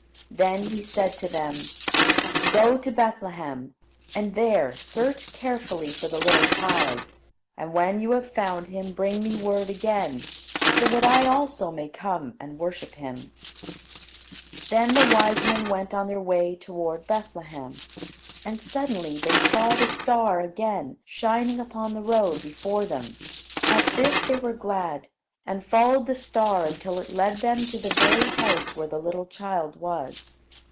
Then he said to them: "Go to Bethlehem; and there search carefully for the little child; and when you have found him, bring me word again, so that I also may come and worship him." [Illustration: The wise men went their way] Then the wise men went on their way toward Bethlehem; and suddenly they saw the star again shining upon the road before them. At this they were glad, and followed the star until it led them to the very house where the little child was.